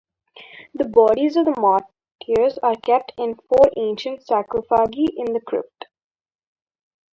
The bodies of the martyrs are kept in four ancient sarcophagi in the crypt.